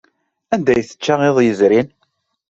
Anda ay tečča iḍ yezrin?